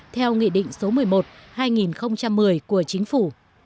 theo nghị định số một mươi một hai nghìn một mươi của chính phủ